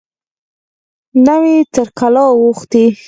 نورې تر کلا واوښتې.